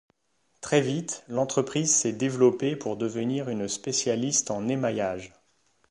Très vite, l'entreprise s'est développée pour devenir une spécialiste en émaillage.